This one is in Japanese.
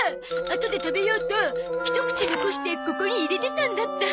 あとで食べようとひと口残してここに入れてたんだった！